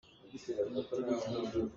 Va kal ko ne law, ka dawt!